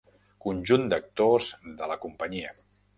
Conjunt d'actors de la companyia.